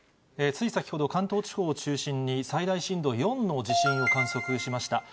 つい先ほど、関東地方を中心に最大震度４の地震を観測しました。